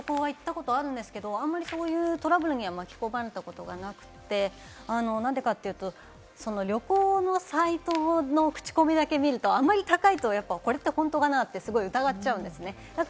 私も使って旅行に行ったことあるんですけれども、あまりそういうトラブルには巻き込まれたことがなくて、何でかというと、旅行のサイトのクチコミだけ見ると、あまり高いと、これって本当かなって疑っちゃうんですね。